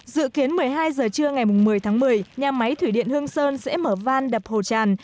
dự kiến một mươi hai giờ trưa ngày một mươi tháng một mươi nhà máy thủy điện hương sơn sẽ mở van đập hồ tràn